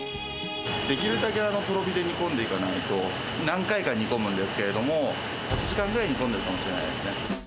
できるだけとろ火で煮込んでいかないと、何回か煮込むんですけど、８時間ぐらい煮込んでるかもしれないですね。